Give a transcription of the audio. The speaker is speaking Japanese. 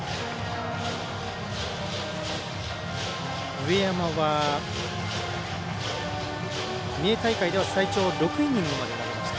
上山は三重大会では最長６イニングまで投げました。